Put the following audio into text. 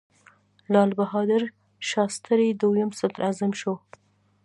لال بهادر شاستري دویم صدراعظم شو.